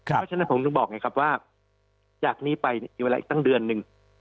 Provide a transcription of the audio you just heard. เพราะฉะนั้นผมถึงบอกไงครับว่าจากนี้ไปมีเวลาอีกตั้งเดือนหนึ่ง